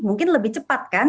mungkin lebih cepat kan